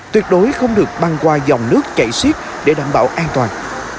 tuyệt đối không được băng qua dòng nước chảy xiết để đảm bảo an toàn